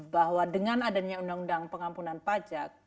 bahwa dengan adanya undang undang pengampunan pajak